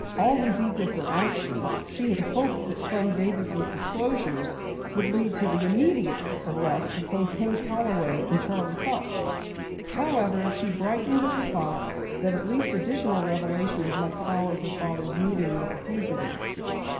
Always eager for action, she had hoped that Clem Davis' disclosures would lead to the immediate arrest of both Hank Holloway and Charley Phelps. However, she brightened at the thought that at least additional revelations might follow her father's meeting with the fugitive.